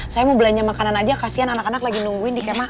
saya mau belanja makanan aja kasian anak anak lagi nungguin di kemah